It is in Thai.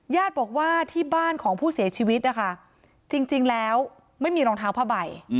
ญาติบอกว่าที่บ้านของผู้เสียชีวิตนะคะจริงแล้วไม่มีรองเท้าผ้าใบ